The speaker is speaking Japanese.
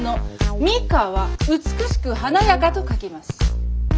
「美華」は美しく華やかと書きます。